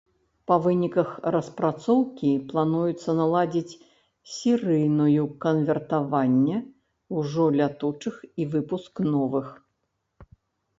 Па выніках распрацоўкі плануецца наладзіць серыйную канвертаванне ўжо лятучых і выпуск новых.